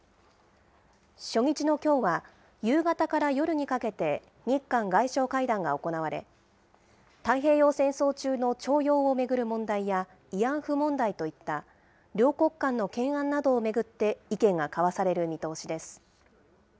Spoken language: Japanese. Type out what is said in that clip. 初日のきょうは、夕方から夜にかけて日韓外相会談が行われ、太平洋戦争中の徴用を巡る問題や、慰安婦問題といった、両国間の懸案などを巡って意見が交わされる見通しです。